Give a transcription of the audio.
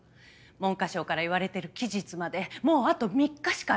文科省から言われている期日までもうあと３日しかありません。